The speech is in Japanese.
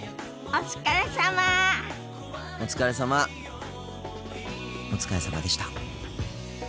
お疲れさまでした。